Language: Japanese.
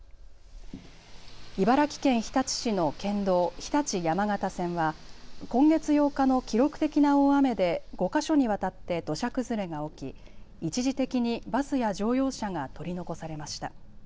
茨城県日立市の県道日立山方線は今月８日の記録的な大雨で５か所にわたって土砂崩れが起き一時的にバスや乗用車が取り残されました。